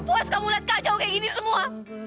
gak puas kamu liat kacau kayak gini semua